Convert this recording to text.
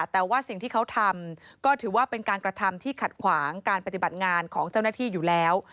แต่ว่าสิ่งที่เขาทำก็ถือว่าเป็นการกระทำที่ขัดขวางการปฏิบัติงานของเจ้าหน้าที่อยู่แล้ว